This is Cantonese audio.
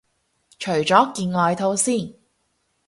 除咗件外套先